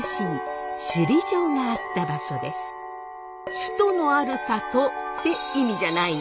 首都のある里って意味じゃないの？